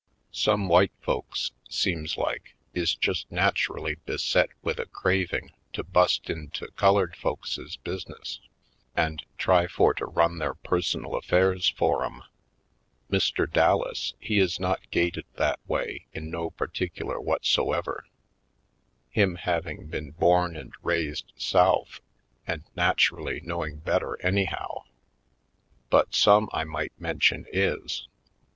Some white folks, seems like, is just nat urally beset with a craving to bust into Dark Secrets 115 colored folkses' business and try for to run their personal affairs for 'em. Mr. Dallas, he is not gaited that way in no particular whatsoever; him having been born and raised South and naturally knowing better anyhow; but some I might mention is.